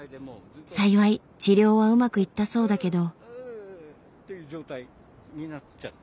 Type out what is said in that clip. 幸い治療はうまくいったそうだけど。